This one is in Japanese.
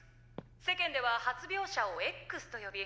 世間では発病者を“Ｘ”と呼び」。